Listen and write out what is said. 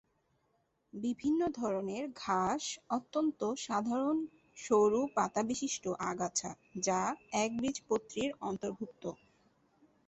বিভিন্ন ধরনের ঘাস অত্যন্ত সাধারণ সরু পাতাবিশিষ্ট আগাছা যা একবীজপত্রীর অন্তর্ভুক্ত।